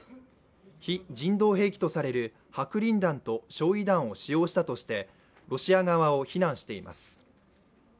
非人道兵器とされる白リン弾と焼い弾を使用したとしてロシア側を非難しています。